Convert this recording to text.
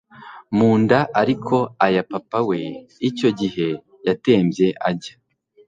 munda ariko aya papa we icyo gihe yatembye ajya